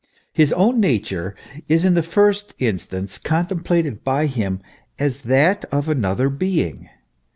His own nature is in the first instance contemplated by him as that of another being.